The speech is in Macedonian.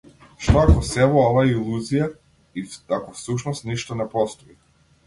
Што ако сево ова е илузија и ако всушност ништо не постои?